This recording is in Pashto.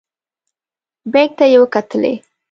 بیک ته یې وکتلې.